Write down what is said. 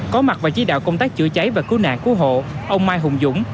có mặt vào chí đạo công tác chữa cháy và cứu nạn cứu hộ ông mai hùng dũng